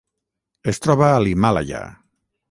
Es troba a l'Himàlaia.